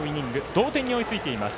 同点に追いついています。